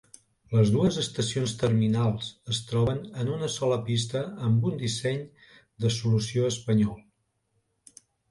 Les dues estacions terminals es troben en una sola pista amb un disseny de solució espanyol.